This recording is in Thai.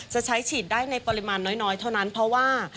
จะใช้ฉีดได้ในปริมาณน้อยเท่านั้นเพราะว่า